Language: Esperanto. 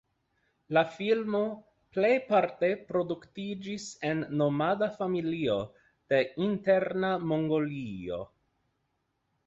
La filmo plejparte produktiĝis en nomada familio de Interna Mongolio.